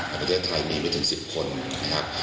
ประเทศไทยมีไม่ถึง๑๐คนนะครับ